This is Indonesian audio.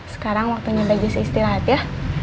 sekarang waktunya bagi istirahat ya